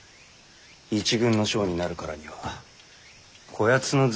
一軍の将になるからにはこやつのずる賢さも学ぶがいい。